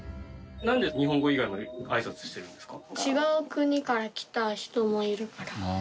なんで日本語以外も挨拶してるんですか？